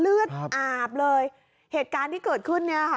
เลือดอาบเลยเหตุการณ์ที่เกิดขึ้นเนี่ยค่ะ